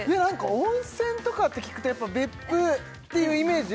温泉とかって聞くとやっぱ別府っていうイメージ